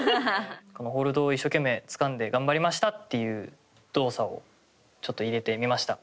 このホールドを一生懸命つかんで頑張りましたっていう動作をちょっと入れてみました。